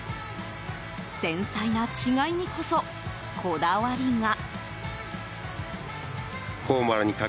繊細な違いにこそ、こだわりが。